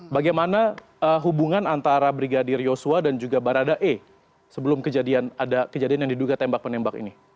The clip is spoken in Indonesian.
bagaimana hubungan antara brigadir yosua dan juga barada e sebelum kejadian yang diduga tembak penembak ini